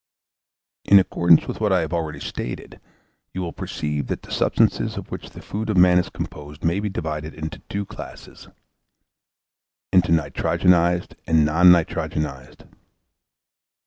In accordance with what I have already stated, you will perceive that the substances of which the food of man is composed may be divided into two classes; into nitrogenised and non nitrogenised.